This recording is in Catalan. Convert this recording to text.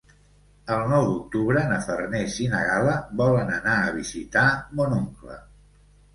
El nou d'octubre na Farners i na Gal·la volen anar a visitar mon oncle.